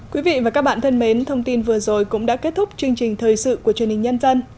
quý vị và các bạn thân mến thông tin vừa rồi cũng đã kết thúc chương trình thời sự của truyền hình nhân dân